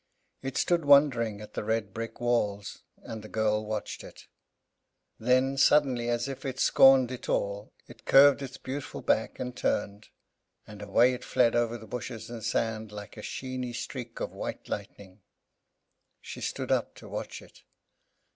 It stood wondering at the red brick walls, and the girl watched it. Then, suddenly, as if it scorned it all, it curved its beautiful back and turned; and away it fled over the bushes and sand, like a sheeny streak of white lightning. She stood up to watch it.